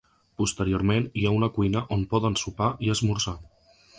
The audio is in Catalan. Posteriorment hi ha una cuina on poden sopar i esmorzar.